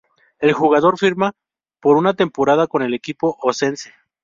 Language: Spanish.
El jugador firma por una temporada con el equipo oscense.